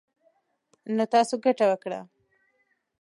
نـو تـاسو ګـټـه وكړه.